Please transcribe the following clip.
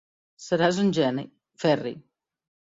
Seràs un geni, Ferri.